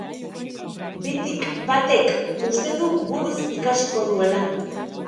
Bitik batek uste du buruz ikasiko duela.